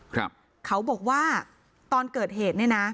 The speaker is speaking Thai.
เขาบอกว่าตอนเกิดเหตุเนี่ยนะ